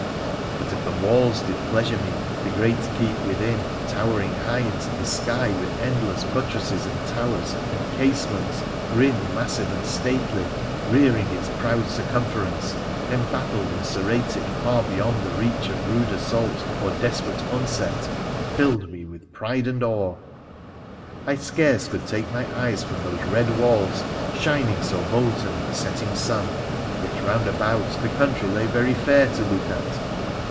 But if the walls did pleasure me, the great keep within, towering high into the sky with endless buttresses, and towers, and casements, grim, massive, and stately, rearing its proud circumference, embattled and serrated far beyond the reach of rude assault or desperate onset, filled me with pride and awe. I scarce could take my eyes from those red walls shining so molten in the setting sun, L 146 WONDERFUL ADVENTURES OF vet round about the country lay very fair to look at.